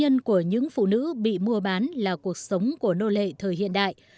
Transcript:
nạn nhân của những phụ nữ bị mua bán là cuộc sống của nô lệ thời hiện đại